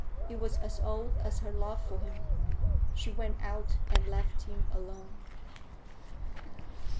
It was as old as her love for him. She went out and left him alone.